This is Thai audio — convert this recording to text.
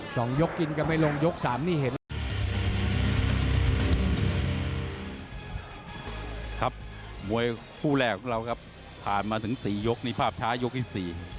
อเจมส์ครับมวยฟู้แรกของเราครับผ่านมาถึง๔ยกในภาพช้ายกที่๔